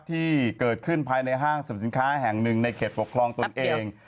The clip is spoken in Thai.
ที่เกิดขึ้นภายในห้างสรรพสินค้าแห่งหนึ่งในเขตปกครองตนเอง